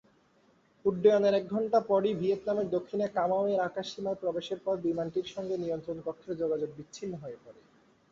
উড্ডয়নের এক ঘণ্টা পরই ভিয়েতনামের দক্ষিণে কামাউ-এর আকাশসীমায় প্রবেশের পর বিমানটির সঙ্গে নিয়ন্ত্রণ কক্ষের যোগাযোগ বিচ্ছিন্ন হয়ে পড়ে।